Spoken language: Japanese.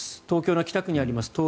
東京の北区にあります